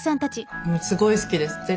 すごい好きです。